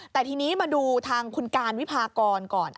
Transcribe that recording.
แต่ทีนี้มาดูทางคุณการวิพากรก่อน